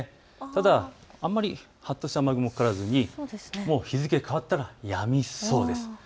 ただ、あまり発達した雨雲はかからずに日付が変わったら、やみそうです。